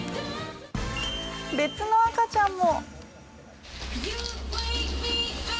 別の赤ちゃんも。